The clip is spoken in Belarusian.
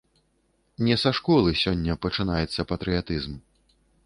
Не са школы сёння пачынаецца патрыятызм.